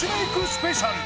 スペシャル